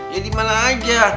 ya dimana aja